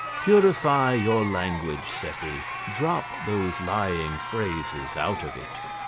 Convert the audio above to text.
Purify your language, Seppi; drop those lying phrases out of it."